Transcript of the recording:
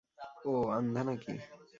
ওহ, আন্ধা নাকি?